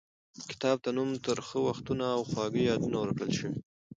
کتاب ته نوم ترخه وختونه او خواږه یادونه ورکړل شوی.